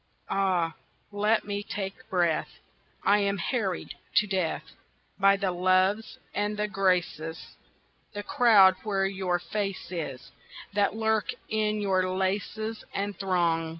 Ah, let me take breath! I am harried to death By the loves and the graces That crowd where your face is That lurk in your laces and throng.